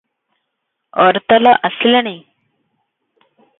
ଅରତଲ ଆସିଲାଣି?